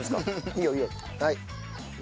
いいよいいよ。